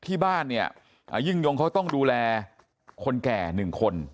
ที่บ้านเนี่ยยิ่งยงเขาต้องดูแลคนแก่๑คน